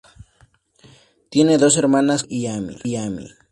Tiene dos hermanas, Claire y Amy.